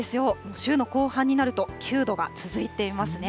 週の後半になると９度が続いていますね。